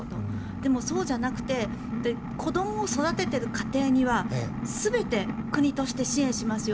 でも、そうじゃなくて子どもを育てている家庭には全て国として支援しますよ